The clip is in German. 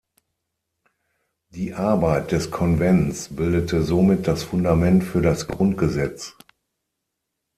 Die Arbeit des Konvents bildete somit das Fundament für das Grundgesetz.